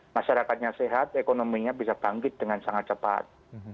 masyarakatnya sehat ekonominya bisa bangkit dengan sangat cepat